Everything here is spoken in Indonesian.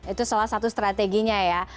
itu salah satu strateginya ya